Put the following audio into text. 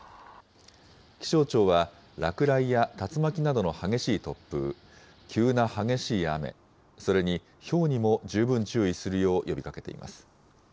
気象庁は落雷や竜巻などの激しい突風、急な激しい雨、それにひょうにも十分注意するよう呼びかけています。